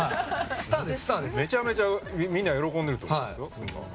めちゃめちゃみんな喜んでるみたいですよ。